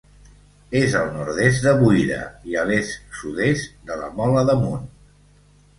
És al nord-est de Buira i a l'est-sud-est de la Mola d'Amunt.